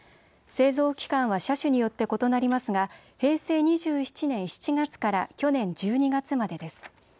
製造期間は車種によって異なりますが、平成２７年７月から去年１２月までです。